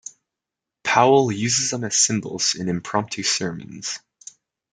Powell uses them as symbols in impromptu sermons.